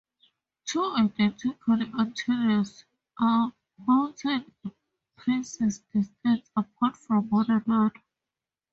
Two identical antennas are mounted a precise distance apart from one another.